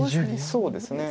そうですね。